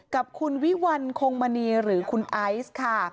กับคุณวิวัลคงมณีหรือคุณไอซ์ค่ะ